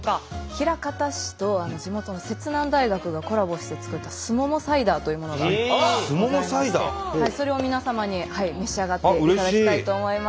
枚方市と地元の摂南大学がコラボして作ったすももサイダーというものがございましてそれを皆様に召し上がっていただきたいと思います。